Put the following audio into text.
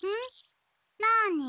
なに？